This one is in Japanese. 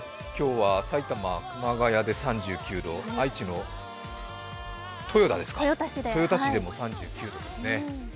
埼玉熊谷で３９度、愛知の豊田市でも３９度ですね。